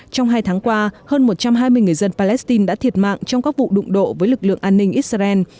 trong hai tháng qua hơn một trăm hai mươi người dân palestine đã thiệt mạng trong các vụ đụng độ với lực lượng an ninh israel